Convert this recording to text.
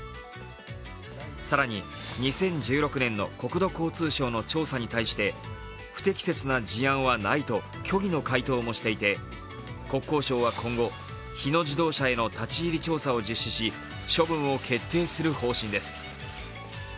更に２０１６年の国土交通省の調査に対して不適切な事案はないと虚偽の回答もしていて国交省は今後、日野自動車への立ち入り調査を実施し処分を決定する方針です。